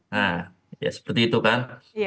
nah ya seperti itu kan